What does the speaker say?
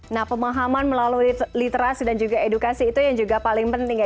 nah pemahaman melalui literasi dan juga edukasi itu yang juga paling penting ya